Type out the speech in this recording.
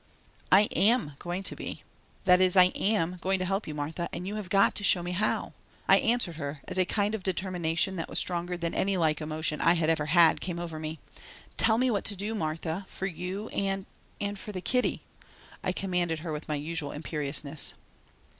"I am going to be that is, I am going to help you, Martha, and you have got to show me how," I answered her as a kind of determination that was stronger than any like emotion I had ever had came over me. "Tell me what to do, Martha, for you and and for the kiddie," I commanded her with my usual imperiousness.